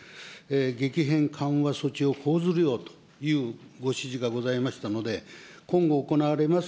激変緩和措置を講ずるようというご指示がございましたので、今後行われます